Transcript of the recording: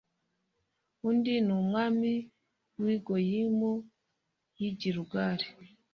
undi ni umwami w i goyimu y i gilugali